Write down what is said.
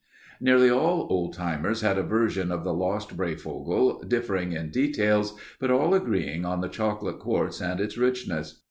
Nearly all old timers had a version of the Lost Breyfogle differing in details but all agreeing on the chocolate quartz and its richness.